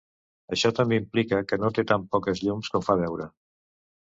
Això també implica que no té tan poques llums com fa veure.